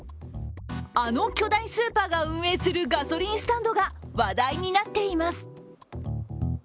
あの巨大スーパーが運営するガソリンスタンドが話題になっています。